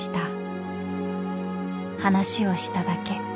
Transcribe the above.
［話をしただけ。